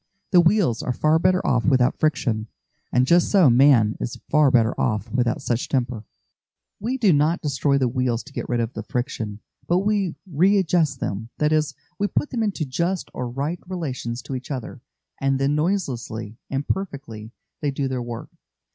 The wheels are far better off without friction, and just so man is far better off without such temper. We do not destroy the wheels to get rid of the friction, but we readjust them; that is, we put them into just or right relations to each other, and then noiselessly and perfectly they do their work.